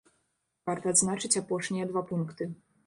Варта адзначыць апошнія два пункты.